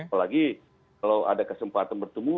apalagi kalau ada kesempatan bertemu